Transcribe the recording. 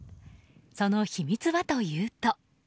その秘密はというと。